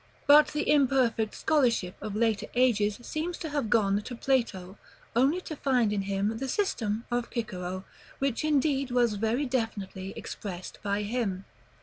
But the imperfect scholarship of later ages seems to have gone to Plato, only to find in him the system of Cicero; which indeed was very definitely expressed by him.